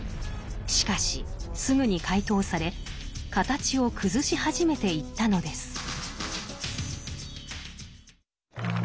しかしすぐに解凍され形を崩し始めていったのです。